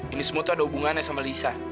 ini semua tuh ada hubungannya sama lisa